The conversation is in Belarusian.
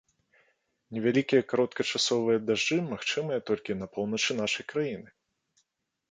Невялікія кароткачасовыя дажджы магчымыя толькі на поўначы нашай краіны.